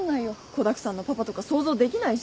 子だくさんのパパとか想像できないし。